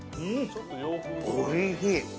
おいしい。